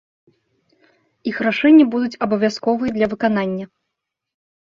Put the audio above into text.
Іх рашэнні будуць абавязковыя для выканання.